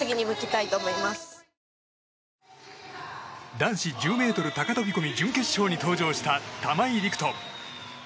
男子１０ｍ高飛込準決勝に登場した、玉井陸斗。